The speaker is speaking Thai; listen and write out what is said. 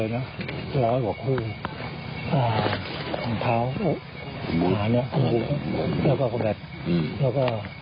แล้วก็หัวอย่างน้อยผาด้วยข้อ